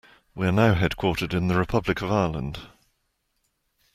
We are now headquartered in the Republic of Ireland.